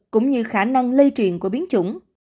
cũng như khả năng lây truyền của biến chủng